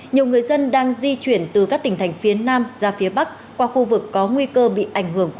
nhiều người dân đang di chuyển từ các tỉnh thành phía nam ra phía bắc qua khu vực có nguy cơ bị ảnh hưởng